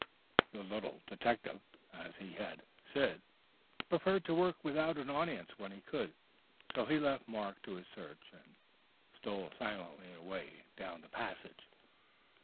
The little detective, as he had said, preferred to work without an audience when he could, so he left Mark to his search, and stole silently away down the passage.